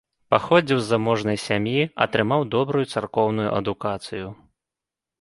Паходзіў з заможнай сям'і, атрымаў добрую царкоўную адукацыю.